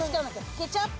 ケチャップ？